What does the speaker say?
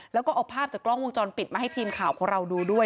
แล้วก็เอาภาพจากกล้องวงจรปิดมาให้ทีมข่าวของเราดูด้วย